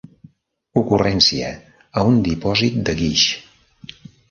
Ocurrència: a un dipòsit de guix.